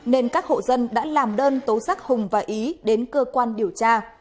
nên các hộ dân đã làm đơn tố giác hùng và ý đến cơ quan điều tra